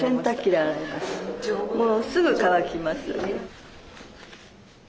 もうすぐ乾きます。